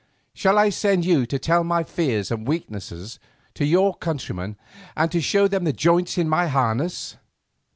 shall I send you to tell my fears and weakness to your countrymen, and to show them the joints in my harness?